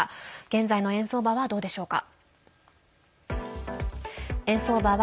現在の円相場はどうでしょうか。